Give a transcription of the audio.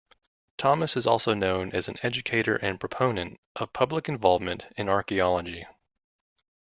Thomas is also known as an educator and proponent of public involvement in archaeology.